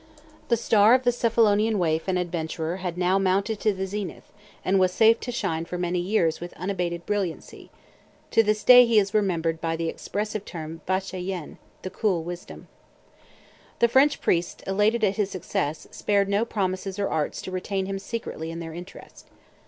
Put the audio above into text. The star of the Cephalonian waif and adventurer had now mounted to the zenith, and was safe to shine for many years with unabated brilliancy; to this day he is remembered by the expressive term Vicha yen, "the cool wisdom." The French priests, elated at his success, spared no promises or arts to retain him secretly in their interest.